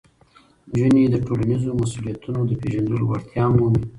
نجونې د ټولنیزو مسؤلیتونو د پېژندلو وړتیا مومي.